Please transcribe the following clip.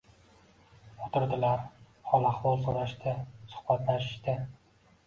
O'tirdilar, hol ahvol so'rashishdi, suhbatlashishdi.